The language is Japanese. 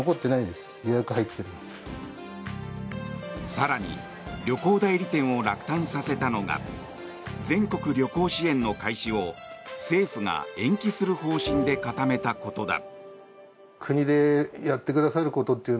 更に、旅行代理店を落胆させたのが全国旅行支援の開始を政府が延期する方針で固めたことだ。